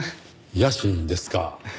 野心ですか。